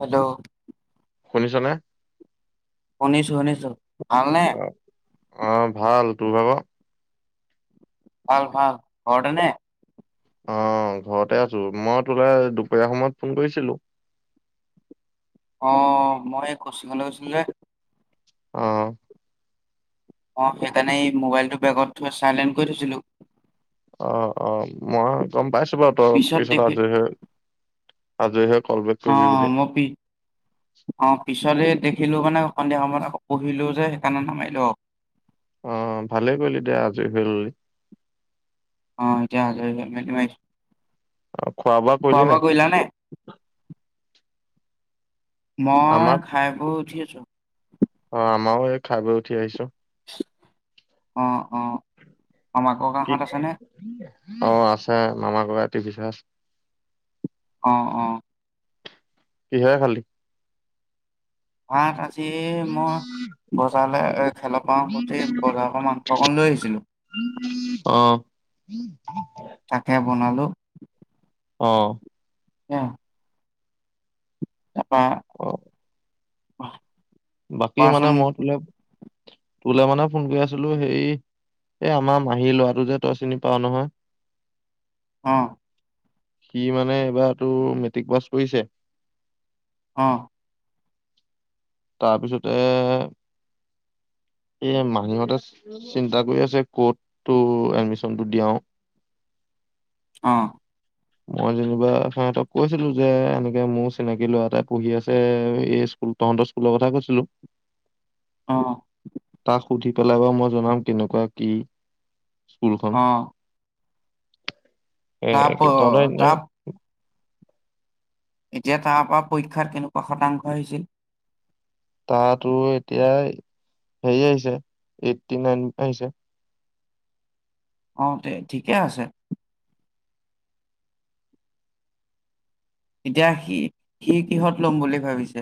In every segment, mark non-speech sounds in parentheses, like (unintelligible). হব শুনিছনে শুনিছো শুনিছো ভাল নে অ', অ ভাল তোৰ ভাগৰ ভাল ভাল ঘৰতে নে অ ঘৰতে আছো মই তোলে দুপৰীয়া সময়ত ফোন কৰিছিলো অ মই কোচিঙলৈ গৈছিলো যে অ অ', সেইকাৰণেই এই মোবাইলটো বেগত থৈ চাইলেন্ট কৰি থৈছিলোঁ। অ', অ', মই গম পাইছোঁ। (unintelligible) পিছত আজৰি হৈ আজৰি হৈ কল বেক কৰিবি বুলি। অ', মই পি, অ', পিছত সেই দেখিলোঁ মানে সন্ধিয়া সময়ত আকৌ পঢ়িলোঁ যে, সেইকাৰণেই নামাৰিলোঁ আৰু অ', ভালেই কৰিলি দে। আজৰি হৈ ল'লি অ', এতিয়া আজৰি হৈ কেনে মাৰিছোঁ। অ', খোৱা কৰিলি বোৱা নাই? কৰিলা নে? মই আমাক খাই বৈ উঠি আছোঁ। অ', আমাৰো এই খাই, বৈ উঠি আহিছোঁ। অ'। অ', (unintelligible) কি ককাহঁত আছেনে? অ', আছে, মামা ককায়ে টিভি চাই আছে। অ', অ'। কিহেৰে খালি? (unintelligible) আজি মই বজাৰলৈ এই খেলৰ পৰা আহোঁতেই বজাৰৰ পা, মাংস অকন লৈ আহিছিলোঁ। অ', তাকে বনালোঁ। অ'। (unintelligible) অ', (unintelligible) (unintelligible) বাকী মানে কোৱাচোন মই বোলে তোলে মানে ফোন কৰি আছিলো হেই এই আমাৰ মাহী লৰাটো যে তই চিনি পাও নহয়। অঁ। সি মানে এইবাৰ তোৰ মেট্ৰিক পাছ কৰিছে। অঁ। তাৰপিছতে এ' মাহীহঁতে চিন্তা কৰি আছে কতটো এডমিচনটো দিয়াও। অঁ। মই যেনিবা সিহঁতক কৈছিলো যে এনেকে মোৰ চিনাকি লৰা এাই পঢ়ি আছে এই স্কুল তহঁতৰ স্কুলৰ কথা কৈছিলো। অ তাক সুধি পেলাবা মই জনাম কেনেকুৱা কি স্কুলখন অ তাৰ একদম। প- তাৰ (unintelligible) যে তাৰ পৰা পৰীক্ষাত কেনেকুৱা শতাংশ আহিছিল। তাতো এতিয়া হেৰি আহিছে এইটটি নাইন আহিছে। অ তে ঠিকে আছে। এতিয়া সি সি কিহত লম বুলি ভাবিছে?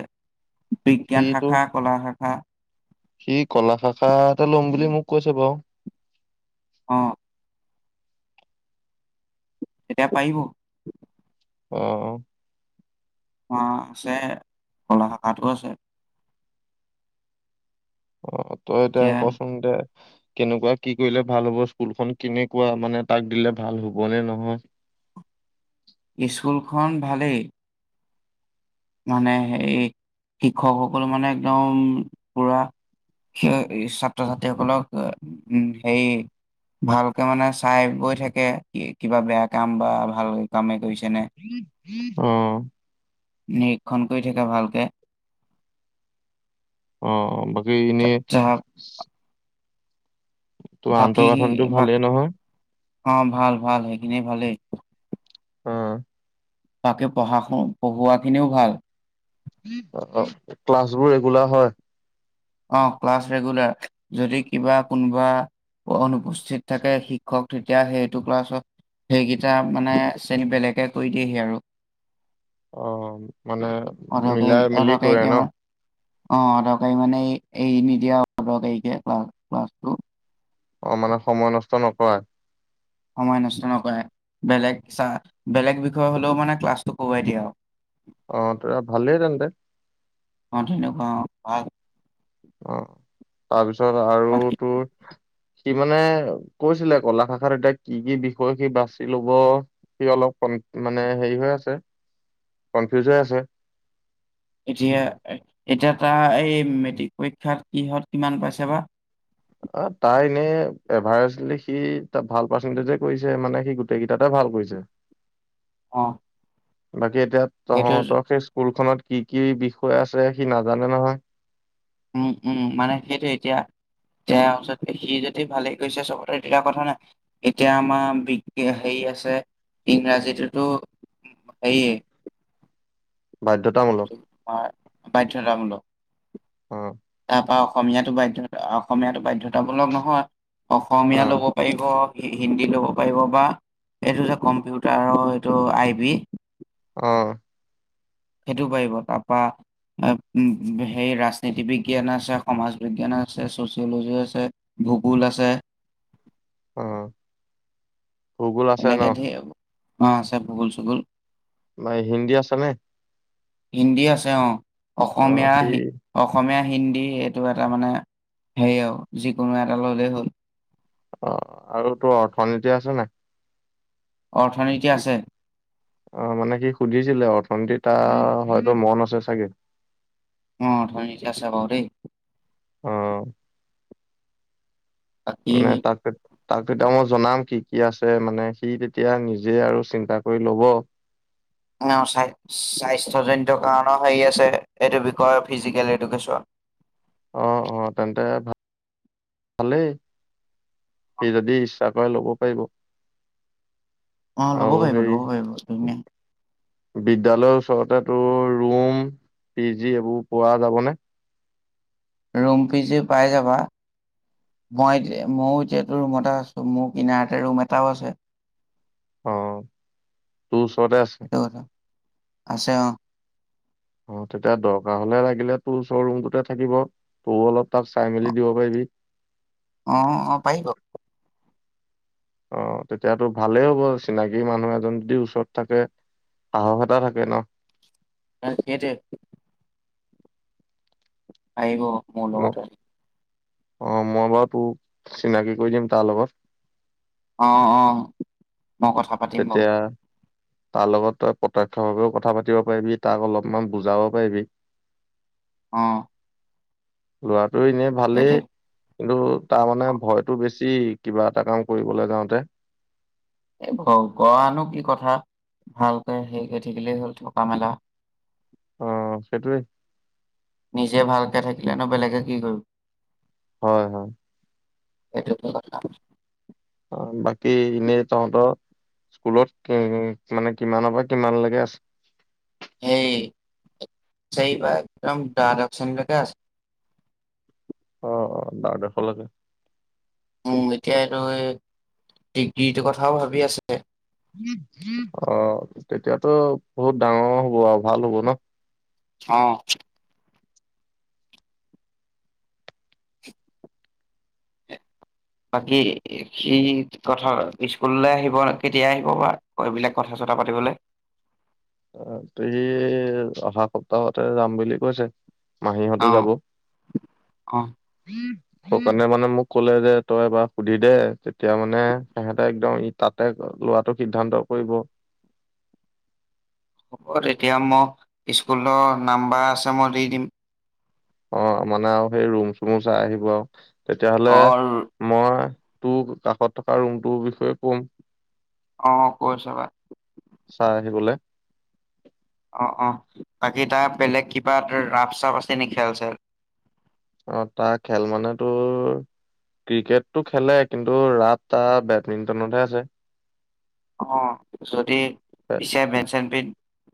বিজ্ঞান সিটো শাখা, কলা শাখা সি কলা শাখা এটা ল'ম বুলি মোক কৈছে বাও। অ। তেতিয়া পাইব অ অ। অ আছে কলা শাখাতো আছে। অ তই এতিয়া কচোন দে কেনেকুৱা কি কৰিলে ভাল হ'ব স্কুলখন কেনেকুৱা মানে তাক দিলে ভাল হ'বনে নহয়? স্কুলখন ভালেই। মানে হে শিক্ষকসকল মানে একদম পুৰা হে ছাত্ৰ- ছাত্ৰীসকলক উম, হে ভালকে মানে চাই বৈ থাকে কিবা বেয়া কাম বা ভাল কামেই কৰিছে নে উম, নিৰীক্ষণ কৰি থাকে ভালকে। উম, এই এনে তা- তা- ত' বাকী আন্তঃগাঁথনি টো ভালেই বাকী নহয়? অ, ভাল-ভাল সেইখিনি ভালেই। অ', বাকে পঢ়া পঢ়োৱাখিনিও ভাল। অ, ক্লাছ বোৰ ৰেগুলাৰ হয়? অ, ক্লাছ ৰেগুলাৰ। যদি কিবা কোনোবা বা অনুপস্থিত থাকে শিক্ষক তেতিয়া সেইটো ক্লাছত সেইকেইটা মানে শ্ৰেণী বেলেগে কৰি দিয়েহি আৰু। অ, মানে অদৰকাৰী মিলাই মিলি কৰে অদৰকাৰীকে ন'? মানে অ দৰকাৰী মানে এই এই নিদিয়া পদকাৰকে ক্লাছ ক্লাছটো অ মানে সময় নষ্ট নকৰা। সময় নষ্ট নকই বেলেগ বেলেগ বিষয় হলেও মানে ক্লাছটো কোৱাই দিয়ে আৰু অ তৰা ভালেই তেন্ততে। অ তেনেকুৱা। অ তাৰপিছত। তাৰপিছত আৰু বাকী তোৰ সি মানে কৈছিলে কলা শাখাত এতিয়া কি কি বিষয় সি বাচি লব সি অলপ কন মানে হেৰি হৈ আছে কনফিউজ হৈ আছে। এতিয়া এতিয়া তাৰ এই মেট্ৰিক পৰীক্ষাত কিহত কিমান পাইছে বা। অ তাই এনেই এভাৰেষ্টলি সি ত ভাল পাৰ্চেণ্টেজে কৰিছে মানে সি গোটেই কেইটাতে ভাল কৰিছে। অ। ল (unintelligible) সি এতিয়া সেইটো য- তহঁতৰ সেই স্কুলখনত কি কি বিষয় আছে সি নাজানে নহয়। উম উম মানে সেইটো এতিয়া তাৰ ওচতে সি যদি ভালেই গৈছে চবতে তেয়া কথা নাই এতিয়া আমাৰ বি হেৰি আছে ইংৰাজীটোতো হেয়ে বাধ্যতামূলক হয় বাধ্যতামূলক। অ। তাৰ পৰাা অসমীয়াাতো বাধ্যা অসমীয়াাতো বাধয় বাধ্যতামূলক নহয় অ অসমীয়া ল'ব পাৰিব। হি -হিন্দী ল'ব পাৰিব বা এইটো যে কম্পিউটাৰৰ এইটো আই বি অ', সেইটো পাৰিব তাৰপা সেই ৰাজনীতি বিজ্ঞান আছে, সমাজ বিজ্ঞান আছে, ছচিয়লজি আছে, ভূগোল আছে অহ', এনেকে ধেৰ অ, আছে ভগোল - চুগোল। (unintelligible) হিন্দী আছ নে? হিন্দী আছে অ, অ অসমীয়া সি আহি অসমীয়া হিন্দী এইটো এটা মানে হেৰি আৰু যিকোনো এটা ল'লেই হ'ল। অ, আৰু তোৰ অৰ্থনীতি আছে নে নাই? অৰ্থনীতি আছে (unintelligible) অ, মানে কি সুধিছিলে অৰ্থনীতি তাও হয়তো মন আছে চাগে। অ, অৰ্থনীতি আছে বাৰু দেই। অহ', বাকী নাই তাকেত তাক তেতিয়া মই জনাম কি - কি আছে মানে সি তেতিয়া নিজে আৰু চিন্তা কৰি লব। (unintelligible) স্বা - স্বাস্থ্যজনিত কাৰণ হেৰি আছে এইটো বিকয় ফিজিকেল এডুকেচন। অ অ তেন্তে ভালেই সি যদি ইচ্ছা কৰে ল'ব পাৰিব অ ল'ব আৰু পাৰিব হেৰি ল'ব পাৰিব ধুনীয়াই বিদ্যালয়ৰ ওচৰতে তোৰ ৰুম পি জি এইবোৰ পোৱা যাবনে ৰুম পি পাই যাবা মই এতিয়া ময়ো এতিয়াতো ৰুমতে আছোঁ মোৰ কিনাৰতে ৰুম এটাও আছে। অ তোৰ ওচৰতে আছে। সেইটো কথা। আছে অ। অ তেতিয়া দৰকাৰ হ'লে লাগিলে তোৰ ওচৰ ৰুমটোতে থাকিব তোৰ অলপ তাক চাই মেলি দিব পাৰিবি। অ অ পাৰিব। অ তেতিয়াতো ভালেই হ'ব চিনাকি মানুহ এজন যদি ওচৰত থাকে সাহস এটা থাকে ন। ন সেইটো। আহিব। ম মনতে। অ মই বাৰু তোক চিনাকি কৰি দিম তাৰ লগত। অ অ মই কথা পাতিম বাৰু। তেতিয়া তাৰ লগত তই প্ৰত্যক্ষভাৱেও কথা পাতিব পাৰিবি তাক অলপমান বুজাব পাৰিবি। অ ল'ৰা এনেই ভালেই সেইটোৱে কিন্তু তাৰ মানে অ ভয়তটো বেছি। এই কিবা এটা কাম কৰিবলৈ যাওঁতে। গনো কি কথা ভালকে হেৰি কৰি থাকিলেই হ'ল থকা মেলা। অ সেইটোৱেই। নিজে ভালকে থাকিলে ন বেলেগে কি কৰিব। হয় হয়। এইটো কোনত কাম। অ বাকী এনেই তহঁতৰ স্কুলত মানে কিমানৰ পৰা কিমান লকে আছে। হেই চাৰিবাৰ একদম দাদ্বশ শেণীৰ লকে আছে। অ অ দাদ্বাশলৈকে। মোক এতিয়া এইটো ডিগ্ৰীটো কথাও ভাবি আছে। অ তেতিয়াতো বহুত ডাঙৰ হ'ব আৰু ভাল হ'ব ন। অহ (unintelligible) বাকী সি কথা স্কুললৈ আহিব কেতিয়া আহিব বা এইবিলাক কথা চথা পাতিবলৈ। তুহি অহা সপ্তাহতে যাম বুলি কৈছে। মাহীহঁতো অ', যাব। অ', সকে মানে মোক ক'লে যে তই এবাৰ সুধি দে তেতিয়া মানে সিহঁতে একদম ই তাতে লোৱাটো সিদ্ধান্ত কৰিব। ব এতিয়া মক স্কুলৰ নাম্বাৰ আছে মই দি দিম। অ মানে আৰু সেই ৰুম চুমো চাই আহিব আৰু। তেতিয়াহ'লে অ', মই তটো কাষত থকা ৰুমটো বিষয়ে কম। অ কৈয় চাবা। চাই আহিবলৈ। অ অ বাকী তাৰ বেলেগ কিবা এ ৰাপ চাফ আছে নেকি খেল চেল। অ তাৰ খেল মান তো ক্ৰিকেটটো খেলে কিন্তু ৰাপ তাৰ বেডমিণ্টনতহে আছে। অ যদি পিছে বেট চেম্পিন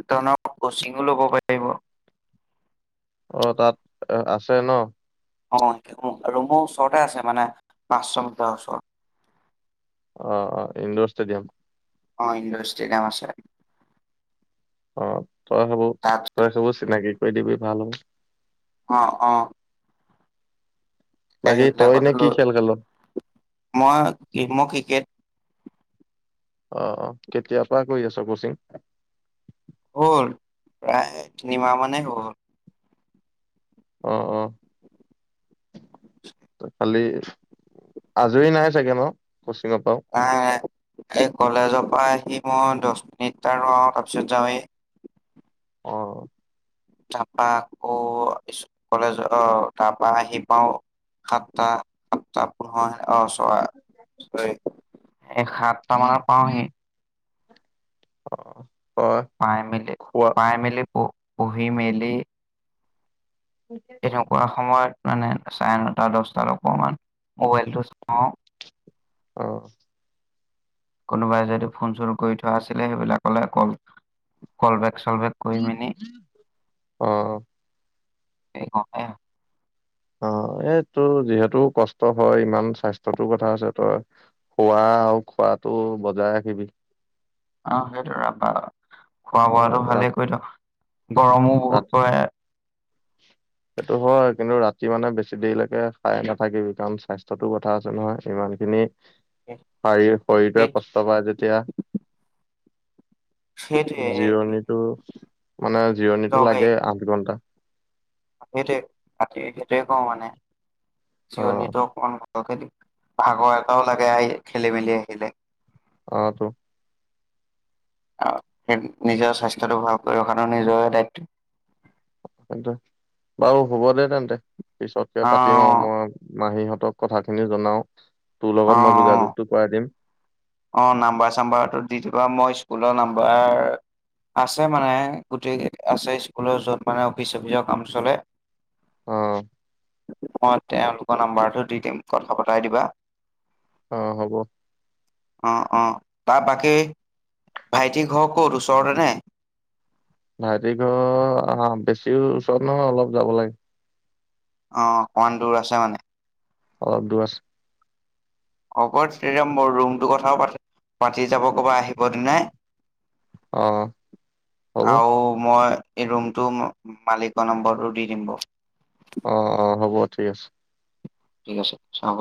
তইনো কোচিঙো ল'ব পাৰিব অ তাত আছে ন? অ ৰুমৰ ওচৰতে আছে মানে পাঁচশ মিটাৰৰ ওচৰত। অ, অ, ইণ্ডৰ ষ্টেডিয়াম। অ ইণ্ডৰ ষ্টেডিয়াম আছে। অ তই হব তাত তই সবৰ চিনাকি। কৰি দিবি ভাল হ'ব। অ, অ, বাকী তই এনে সেইবিলাকতো কি লৈ খেল খেল অ মই মই ক্ৰিকেট অ, অ, কেতিয়া পৰা কৰি আছ কচিং। হ'ল প্ৰায় তিনিমাহ মানে হৈ গ'ল। অ, অ'। তই খালি আজৰি নাই চাগে ন? কচিঙৰ পৰাও নাই, এই কলেজৰ পৰাই এ মই দচ মিনিটাৰ তাৰপিছত যাওঁৱে। অ', তাৰপা আকৌ কলেজ অ তাৰপা আহি পাও সাতটা সাতটা পোন্ধৰ আহ চৰা। এ সাতটা মানত পাওহি। অ', হয় পায় খোৱা মেলি-পায় মেলি পো পুহি মেলি এনেকুৱা সময়ত মানে চাৰে নটা দচটাত অকমান মোবাইলটো চাওঁ। অ (unintelligible) কোনোবাই যদি ফোন চুন কৰি থোৱা আছিলে সেইবিলাকলে ক'ল -ক'লবেক (unintelligible) অহ, (unintelligible) অ, এ তোৰ যিহেতু কষ্ট হয় ইমান স্বাস্থ্যটোৰ কথা আছে তই শুৱা আৰু খোৱাটো বজাই ৰাখিবি। অ, সেইটোৱে আপনাৰ অ, খোৱা অ বোৱাটো ৰাত ভালেই কৰি থ' গৰমো ৰাত বহুত পৰে। সেইটো হয় কিন্তু ৰাতি মানে বেছি দেৰিলৈকে খাই নাথাকিবি কাৰণ স্বাস্থ্যতো কথা আছে নহয় ইমান খিনি শাৰীৰ সেই শৰীৰটোৱে কষ্ট পায় যেতিয়া সেইটোৱে জিৰণিটো মানে জিৰণিটো দৰকাৰী লাগে আঠ ঘন্টা। সেইটোৱে (unintelligible) সেইটোৱে কওঁ মানে। অ জিঅণীতো অকমান খেতি ভাগৰ এটাও লাগে আহি খেলি মেলি আহিলে, অ ত! আৰু সেই নিজৰ স্বাস্থ্যটো ভালক ৰখাটো নিজৰে দায়িত্ব সটো বও হ'ব দে তেন্তে পিছতকে অ পাতিম আৰু মই মাহীহঁত স কথাখিনি জনাও তোৰ অ লগত মই অ যোগাযোগতটো কৰাই দিম। অ নাম্বাৰ চাম্বাৰো দি দিবা মই স্কুলৰ নাম্বাৰ আছে মানে গোটেই আছে স্কুলৰ য'ত মানে অফিচ চফিচৰ কাম চলে। অ অ' তেওঁলোকৰ নাম্বাৰটো দি দিম কথা পতাই দিবা। অ হ'ব। অ অ তাৰ বাকী ভাইটিক হওক'ত ওচৰতে ন?? ভাইটি ঘৰ আহ বেছি ওচৰত নহয় অলপ যাব লাগে। অ অকমান দূৰ আছে মানে, অল দুৱছ! হ'ব তেতি মোৰ ৰুমটো কথা পাতি যাব ক'বা আহিব দ নাই অ হ'ব অ আৰু মই এই ৰুমটো মালিকৰ নম্বৰটো দি দম ব অ অ হ'ব ঠিক আছে। ঠিক আছে চাব